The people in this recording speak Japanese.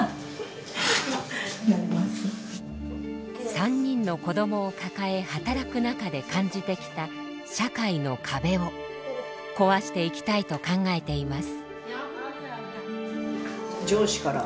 ３人の子どもを抱え働く中で感じてきた社会の壁を壊していきたいと考えています。